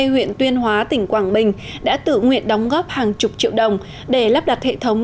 huyện tuyên hóa tỉnh quảng bình đã tự nguyện đóng góp hàng chục triệu đồng để lắp đặt hệ thống